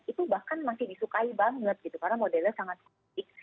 itu bahkan masih disukai banget karena modelnya sangat kutip